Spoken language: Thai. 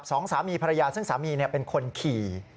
สองสามีภรรยาซึ่งสามีเป็นคนขี่